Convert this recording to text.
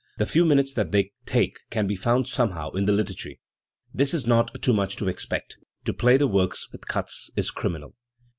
The few minutes that they take can be found somehow in the liturgy. This is not too much to expect; to play the works with "cuts" is criminal.